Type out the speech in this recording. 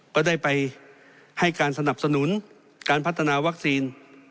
ก็ได้ไปให้การสนับสนุนการพัฒนาวัคซีน